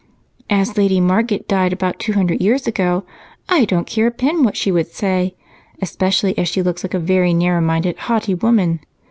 "As Lady Marget died about two hundred years ago, I don't care a pin what she would say, especially as she looks like a very narrow minded, haughty woman.